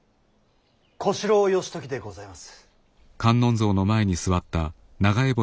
小四郎義時でございます。